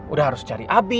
udah harus cari abi